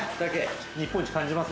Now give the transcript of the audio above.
日本一感じます？